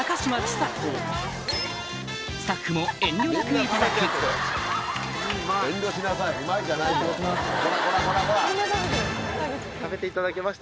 スタッフも遠慮なく頂くいただきます。